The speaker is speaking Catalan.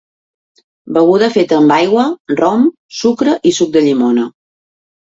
Beguda feta amb aigua, rom, sucre i suc de llimona.